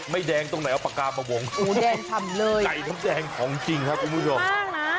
ไม่แดงตรงไหนวะปากกาประวงแดงทำเลยใจทำแดงของจริงครับคุณผู้ชม